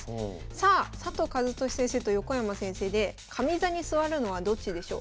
さあ佐藤和俊先生と横山先生で上座に座るのはどっちでしょう？